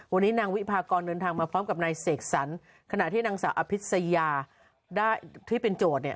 วันนี้นางวิพากรเดินทางมาพร้อมกับนายเสกสรรขณะที่นางสาวอภิษยาได้ที่เป็นโจทย์เนี่ย